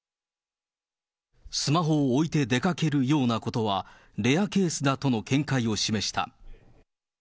スマホを置いて出かけるようなことはレアケースだとの見解を示した。